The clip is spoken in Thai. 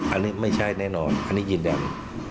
อันนี้ไม่ใช่แน่นอนอันนี้ยืนยัน